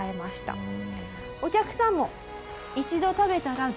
お客さんも。